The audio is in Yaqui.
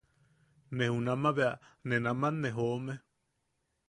Ne junama bea... ne naman ne joome.